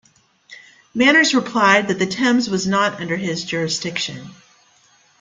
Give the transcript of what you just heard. Manners replied that the Thames was not under his jurisdiction.